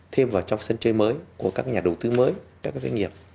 thêm vào trong sân chơi mới của các nhà đầu tư mới các doanh nghiệp